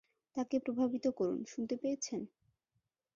তাকে প্রভাবিত করুন, শুনতে পেয়েছেন?